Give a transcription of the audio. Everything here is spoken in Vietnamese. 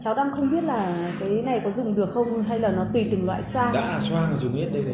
cháu đang không biết là cái này có dùng được không hay là nó tùy từng loại sao